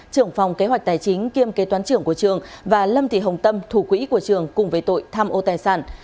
trưởng phòng kế hoạch tài chính kiêm kế toán trưởng của trường và lâm thị hồng tâm thủ quỹ của trường cùng với tội tham ô tài sản